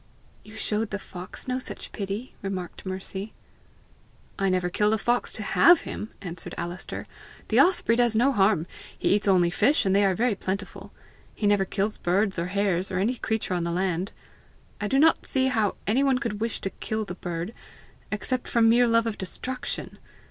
"You showed the fox no such pity!" remarked Mercy. "I never killed a fox to HAVE him!" answered Alister. "The osprey does no harm. He eats only fish, and they are very plentiful; he never kills birds or hares, or any creature on the land. I do not see how any one could wish to kill the bird, except from mere love of destruction!